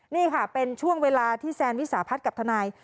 นี่ค่ะเป็นช่วงเวลาที่แซนวิสาพัฒน์กับทนาย